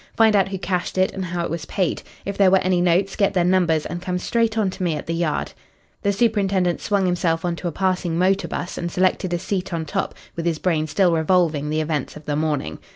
Find out who cashed it and how it was paid. If there were any notes, get their numbers and come straight on to me at the Yard." The superintendent swung himself on to a passing motor bus and selected a seat on top, with his brain still revolving the events of the morning.